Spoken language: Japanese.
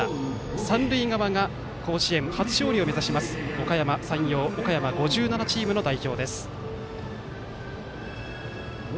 三塁側が甲子園初勝利を目指すおかやま山陽岡山５７チームの代表です。